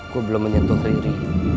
gue belum menyentuh riri